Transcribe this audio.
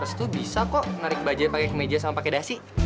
terus tuh bisa kok narik bajaj pakai kemeja sama pakai dasi